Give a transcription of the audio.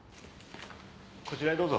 こちらへどうぞ。